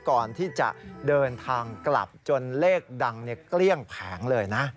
ก่อนที่จะเดินทางกลับจนเลขดังเกลี้ยงแผงเลยนะ